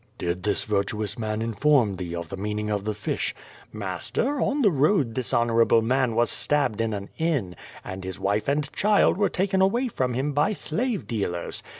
"Did this virtuous man inform thee of the meaning of the fish?" ^^aster, on the road this honorable man was stabbed in an inn, and his wife and child were taken away from him by slave dealers.